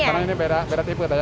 karena ini beda tipe ya